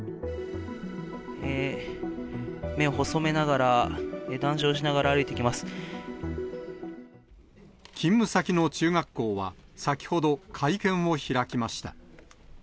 目を細めながら、勤務先の中学校は、先ほど、会見を開きました。